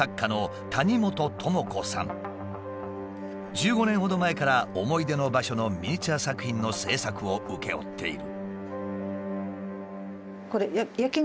１５年ほど前から思い出の場所のミニチュア作品の制作を請け負っている。